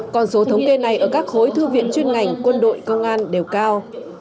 còn số thống kê này ở các khối thư viện chuyên ngành quân đội công an đều cao